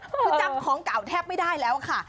คือจำของเก่าแทบไม่ได้แล้วค่ะ